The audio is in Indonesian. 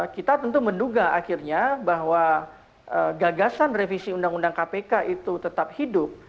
kita tentu menduga akhirnya bahwa gagasan revisi undang undang kpk itu tetap hidup